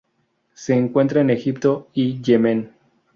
Se encuentra en Egipto y Yemen.